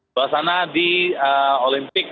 suasana di olimpik